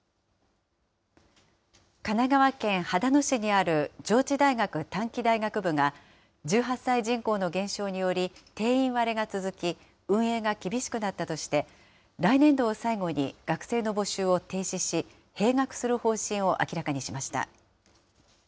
神奈川県秦野市にある上智大学短期大学部が、１８歳人口の減少により、定員割れが続き、運営が厳しくなったとして、来年度を最後に学生の募集を停止し、閉学する方針を明らかにしました。